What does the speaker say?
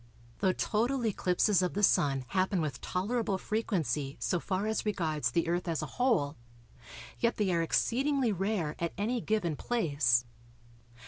Though total eclipses of the Sun happen with tolerable frequency so far as regards the Earth as a whole, yet they are exceedingly rare at any given place.